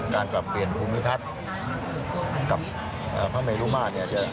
การปรับเปลี่ยนภูมิทัศน์กับพระเมรุมาตรเนี่ย